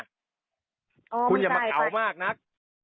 คุณหมาเก๋ามากนัก